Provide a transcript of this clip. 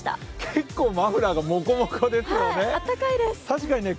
結構マフラーがもこもこですね。